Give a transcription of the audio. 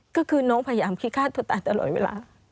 ก็คือน้องพยายามคิดฆ่าตัวตายตลอดเวลา